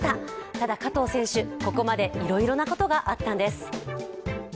ただ、加藤選手、ここまでいろいろなことがあったんです。